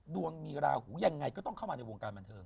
ดวงมีราหูยังไงก็ต้องเข้ามาในวงการบันเทิง